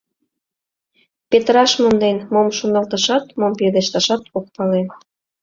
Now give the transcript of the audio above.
Петыраш монден, мом шоналташат, мом пелешташат ок пале.